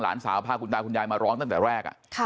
หลานสาวพาคุณตาคุณยายมาร้องตั้งแต่แรก